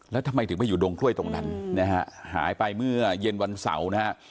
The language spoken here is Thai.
แล้วทำไมถึงไปอยู่ดงกล้วยตรงนั้นนะฮะหายไปเมื่อเย็นวันเสาร์นะฮะ